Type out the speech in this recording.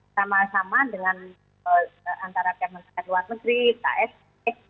sama sama dengan antara kementerian luar negeri ksp